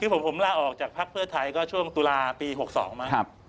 คือผมล่าออกจากภาคเพิศไทยก็ช่วงตุลาฯปี๖๒มา